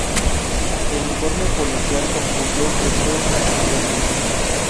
El informe policial concluyó que fue un accidente.